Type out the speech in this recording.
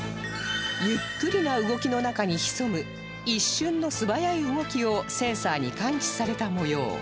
ゆっくりな動きの中に潜む一瞬の素早い動きをセンサーに感知された模様